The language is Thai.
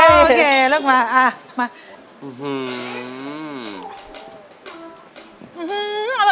โอ้โหโอเคเริ่มมาอ่ะมา